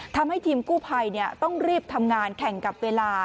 ทำให้ทีมกู้ภัยต้องรีบทำงานแข่งกับเวลา